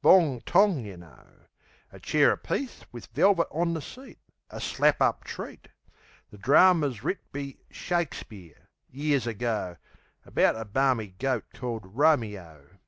Bong tong, yeh know. A chair apiece wiv velvit on the seat; A slap up treat. The drarmer's writ be Shakespeare, years ago, About a barmy goat called Romeo.